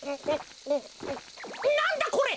なんだこれ。